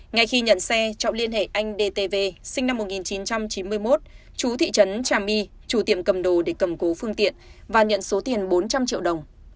ngay khi nhận xe trọng liên hệ anh dtv sinh năm một nghìn chín trăm chín mươi một chú thị trấn trà my chủ tiệm cầm đồ để cầm cố phương tiện và nhận số tiền bốn trăm linh triệu đồng